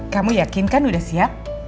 kamu yakin kan udah siap